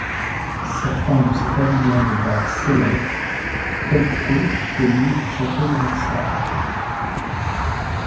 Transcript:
Certains de ces pavillons devinrent célèbres, tels que celui du château de Versailles.